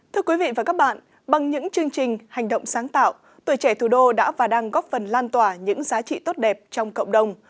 thưa quý vị và các bạn bằng những chương trình hành động sáng tạo tuổi trẻ thủ đô đã và đang góp phần lan tỏa những giá trị tốt đẹp trong cộng đồng